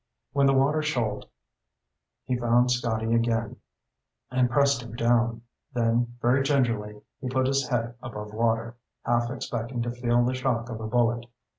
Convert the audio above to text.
When the water shoaled, he found Scotty again and pressed him down; then, very gingerly, he put his head above water, half expecting to feel the shock of a bullet.